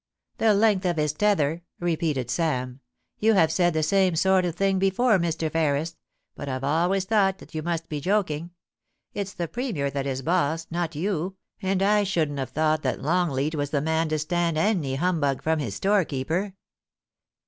*The length of his tether,' repeated Sam. *You have said the same sort of thing before, Mr. Ferris ; but I've always thought that you must be joking. It's the Premier that is boss, not you, and I shouldn't have thought that Longleat was the man to stand any humbug from his store keeper.